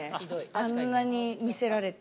あんなに見せられて。